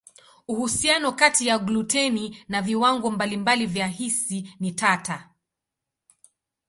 Uhusiano kati ya gluteni na viwango mbalimbali vya hisi ni tata.